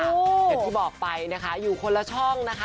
อย่างที่บอกไปนะคะอยู่คนละช่องนะคะ